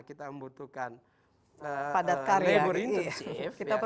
kita membutuhkan labor intensive